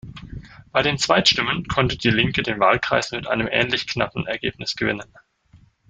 Bei den Zweitstimmen konnte die Linke den Wahlkreis mit einem ähnlich knappen Ergebnis gewinnen.